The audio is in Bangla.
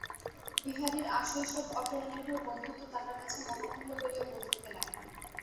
বিহারীর আশৈশব অটলনির্ভর বন্ধুত্ব তাহার কাছে মহামূল্য বলিয়া বোধ হইতে লাগিল।